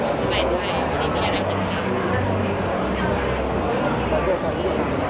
ขอบคุณภาษาให้ด้วยเนี่ย